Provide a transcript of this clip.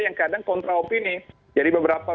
yang kadang kontra opini jadi beberapa